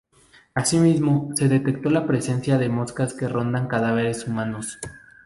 Asimismo, se detectó la presencia de moscas que rondan cadáveres humanos.